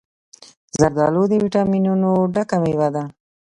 زردالو له ویټامینونو ډکه مېوه ده.